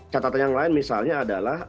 catatan yang lain misalnya adalah